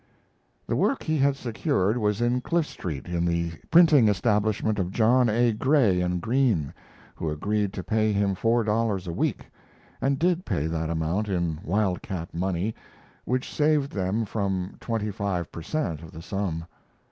The work he had secured was in Cliff Street in the printing establishment of John A. Gray & Green, who agreed to pay him four dollars a week, and did pay that amount in wildcat money, which saved them about twenty five per cent. of the sum.